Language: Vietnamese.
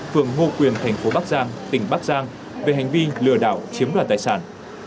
phường hồ quyền thành phố bắc giang tỉnh bắc giang về hành vi lừa đảo chiếm đoàn tài sản